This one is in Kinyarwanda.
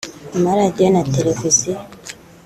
amaradiyo na televiziyo